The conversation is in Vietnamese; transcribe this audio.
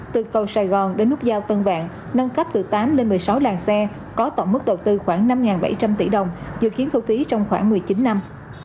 từ cầu sài gòn đến nút giao tân vạn nâng cấp từ tám lên một mươi sáu làng xe có tổng mức đầu tư khoảng năm bảy trăm linh tỷ đồng dự kiến thu phí trong khoảng một mươi chín năm